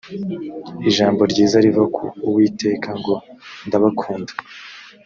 ijambo ryiza riva ku uwiteka ngo ndabakunda